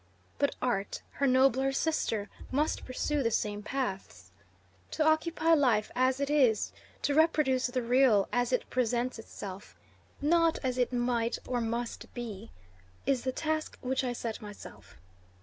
But art, her nobler sister, must pursue the same paths. To copy life as it is, to reproduce the real as it presents itself, not as it might or must be, is the task which I set myself.